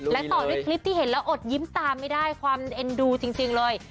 และต่อด้วยคลิปที่เห็นแล้วอดยิ้มตามไม่ได้ความเอ็นดูจริงเลย